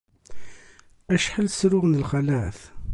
Acḥal sruɣ n lxalat.